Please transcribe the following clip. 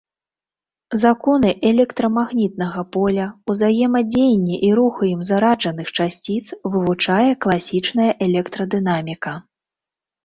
Законы электрамагнітнага поля, узаемадзеянне і рух у ім зараджаных часціц вывучае класічная электрадынаміка.